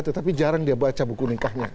tetapi jarang dia baca buku nikahnya